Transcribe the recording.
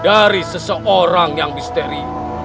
dari seseorang yang misteri